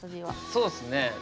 そうっすね。